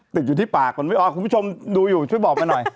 ติดอยู่ที่ปากมันไม่ออกคุณผู้ชมดูอยู่ช่วยบอกมาหน่อย